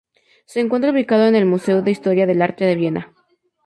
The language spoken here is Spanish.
Se encuentra ubicado en el Museo de Historia del Arte de Viena.